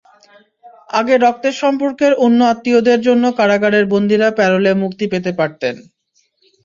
আগে রক্তের সম্পর্কের অন্য আত্মীয়দের জন্য কারাগারের বন্দীরা প্যারোলে মুক্তি পেতে পারতেন।